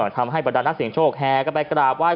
ทำให้บรรดานักเสียงโชคแห่กลับไปกราบว่าย